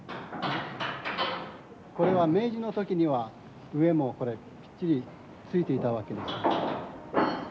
これは明治の時には上もこれぴっちりついていたわけです。